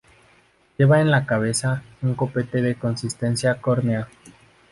Lleva en la cabeza un copete de consistencia córnea.